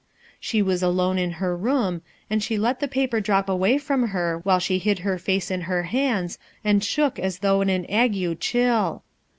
She was alone in her room, and she let the paper drop away from her while she hid her face in her hands and shook as though in an ague chill.